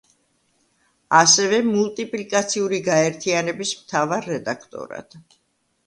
ასევე მულტიპლიკაციური გაერთიანების მთავარ რედაქტორად.